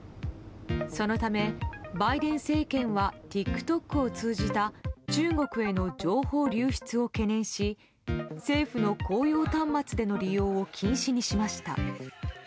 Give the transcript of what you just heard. そのため、バイデン政権はＴｉｋＴｏｋを通じた中国への情報流出を懸念し政府の公用端末での利用を禁止にしました。